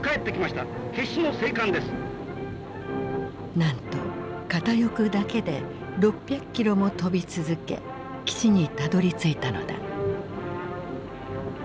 なんと片翼だけで６００キロも飛び続け基地にたどりついたのだ。